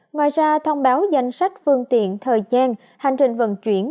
ngoài ra thông báo danh sách phương tiện thời gian hành trình vận chuyển